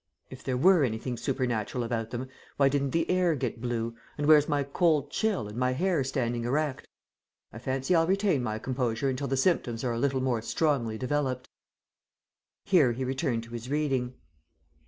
If there were anything supernatural about them, why didn't the air get blue, and where's my cold chill and my hair standing erect? I fancy I'll retain my composure until the symptoms are a little more strongly developed." Here he returned to his reading.